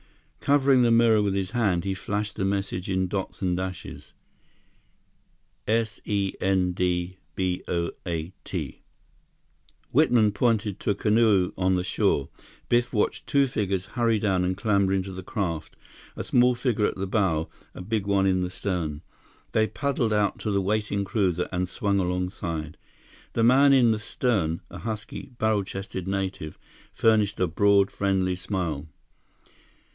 Covering the mirror with his hand, he flashed the message in dots and dashes: S E N D B O A T. Whitman pointed to a canoe on the shore. Biff watched two figures hurry down and clamber into the craft, a small figure at the bow, a big one in the stern. They paddled out to the waiting cruiser and swung alongside. The man in the stern, a husky, barrel chested native, furnished a broad, friendly smile.